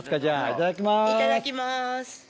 いただきます。